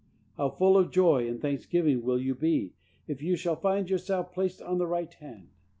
How full of joy and thanksgiving will you be, if you shall find yourself placed on the right hand!